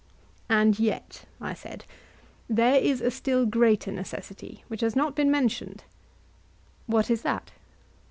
And yet, I said, there is a still greater necessity, which has not been mentioned. What is that?